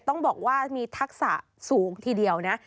ต้องบอกว่ามีทักษะสูงทีเดียวนะ